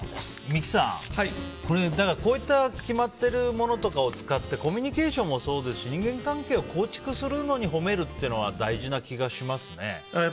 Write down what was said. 三木さん、こういった決まっているものを使ってコミュニケーションもそうですし人間関係を構築するのに褒めるっていうのは大事な気がしますね。